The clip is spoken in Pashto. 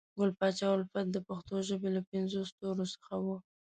ګل پاچا الفت د پښنو ژبې له پنځو ستورو څخه وو